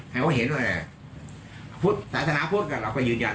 ให้เขาเห็นว่าศาสนาพูดกันเราก็ยืนยัน